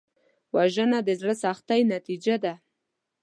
وژنه د زړه سختۍ نتیجه ده